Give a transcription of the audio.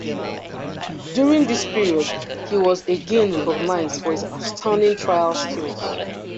During this period, he was again recognized for his outstanding trial skills.